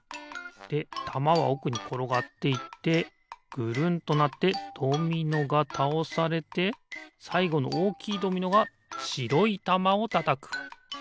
でたまはおくにころがっていってぐるんとなってドミノがたおされてさいごのおおきいドミノがしろいたまをたたく。